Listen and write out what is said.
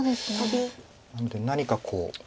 なので何かこう。